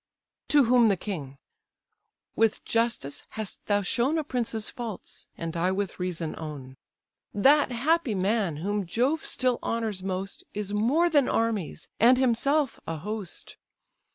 To whom the king. "With justice hast thou shown A prince's faults, and I with reason own. That happy man, whom Jove still honours most, Is more than armies, and himself a host.